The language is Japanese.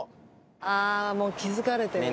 あもう気付かれてるね。